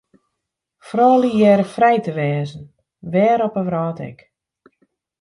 Froulju hearre frij te wêze, wêr op 'e wrâld ek.